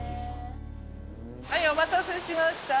はい、お待たせしました。